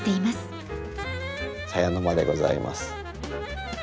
狭屋の間でございます。